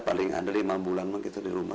paling ada lima bulan di rumah